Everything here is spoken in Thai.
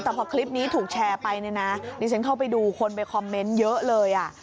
แต่พอคลิปนี้ถูกแชร์ไปเนี่ยนะดิฉันเข้าไปดูคนไปคอมเมนต์เยอะเลยอ่ะ